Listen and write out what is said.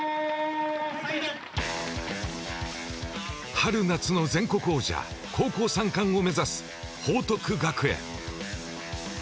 春・夏の全国王者高校３冠を目指す報徳学園。